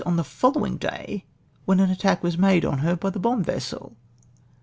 on the folhiuyuuj day when, an attack ivas made on her by the bomb vessel!